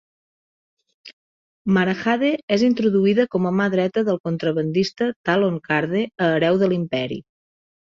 Mara Jade és introduïda com a mà dreta del contrabandista Talon Karrde a "Hereu de l'Imperi".